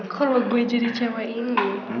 kalau gue jadi cewek ini